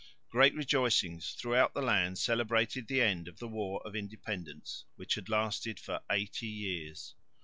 Great rejoicings throughout the land celebrated the end of the War of Independence, which had lasted for eighty years.